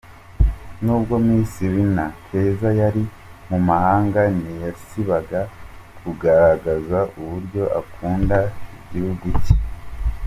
N’ubwo Miss Linah Keza yari mu mahanga ntiyasibaga kugaragaza uburyo akunda igihugu cye.